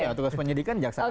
iya tugas penyidikan jaksa agung